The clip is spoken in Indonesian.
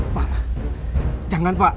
pak jangan pak